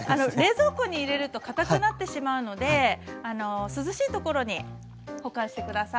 冷蔵庫に入れるとかたくなってしまうので涼しいところに保管して下さい。